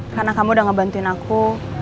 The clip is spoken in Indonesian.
karena kamu udah ngebantuin aku